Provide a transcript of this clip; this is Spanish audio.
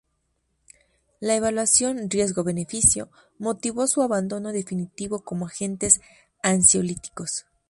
La evaluación riesgo-beneficio motivó su abandono definitivo como agentes ansiolíticos.